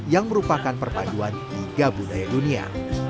yang merupakan perpaduan tiga budaya dunia